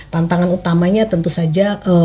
tantangan utamanya tentu saja